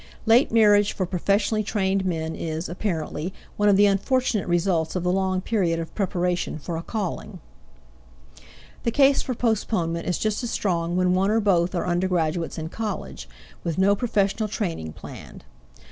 Late marriage for professionally trained men is, apparently, one of the unfortunate results of the long period of preparation for a calling. The case for postponement is just as strong when one or both are under graduates in college, with no professional training planned.